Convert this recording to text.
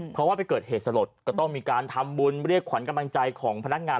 เพราะว่าไปเกิดเหตุสลดก็ต้องมีการทำบุญเรียกขวัญกำลังใจของพนักงาน